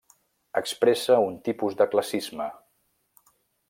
Expressa un tipus de classisme.